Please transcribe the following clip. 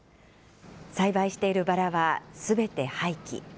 栽培しているバラはすべて廃棄。